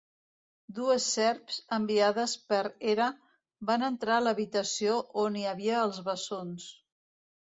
Dues serps, enviades per Hera, van entrar a l'habitació on hi havia els bessons.